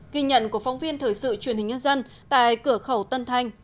kỳ nhận của phóng viên thời sự truyền hình nhân dân tại cửa khẩu tân thanh lạng sơn